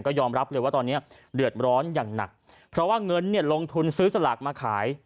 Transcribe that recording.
ยอมรับเลยว่าตอนนี้เดือดร้อนอย่างหนักเพราะว่าเงินเนี่ยลงทุนซื้อสลากมาขาย